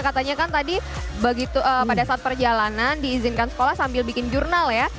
katanya kan tadi pada saat perjalanan diizinkan sekolah sambil bikin jurnal ya